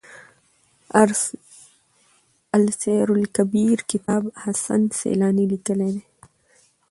السير لکبير کتاب حسن سيلاني ليکی دی.